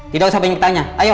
tidak usah banyak tanya ayo